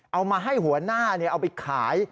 เอามาให้หัวหน้าเอาไปขาย